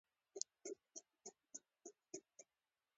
ځیني اړیکي د یو جال په څېر وي